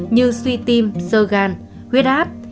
như suy tim sơ gan huyết áp